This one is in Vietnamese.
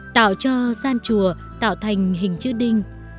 tạo cho gian chùa tạo thành hình chữ đinh